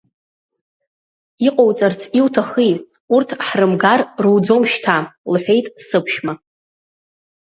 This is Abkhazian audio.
Иҟоуҵарц иуҭахи, урҭ ҳрымгар руӡом шьҭа, — лҳәеит сыԥшәма.